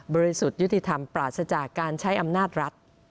สุทธิ์ยุติธรรมปราศจากการใช้อำนาจรัฐ